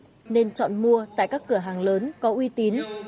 cần chú ý điểm sau nên chọn mua tại các cửa hàng lớn có uy tín